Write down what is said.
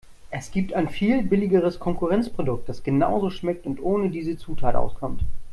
Es gibt ein viel billigeres Konkurrenzprodukt, das genauso schmeckt und ohne diese Zutat auskommt.